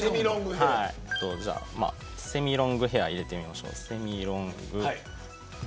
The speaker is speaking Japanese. セミロングヘアと入れてみます。